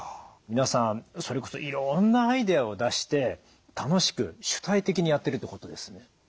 皆さんそれこそいろんなアイデアを出して楽しく主体的にやってるってことですね。